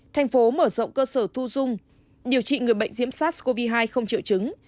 thành phố mở rộng cơ sở thu dung điều trị người bệnh nhiễm sars cov hai không triệu chứng